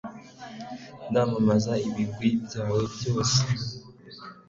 ndamamaza ibigwi byawe byose